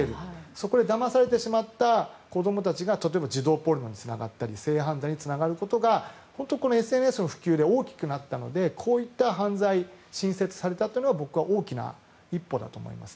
そこでだまされてしまった子どもたちが例えば児童ポルノにつながったり性犯罪につながるのが本当にＳＮＳの普及で大きくなったのでこういったものが新設されたというのは僕は大きな一歩だと思います。